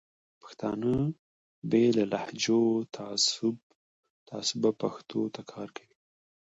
پښتانه باید بې له لهجوي تعصبه پښتو ته کار وکړي.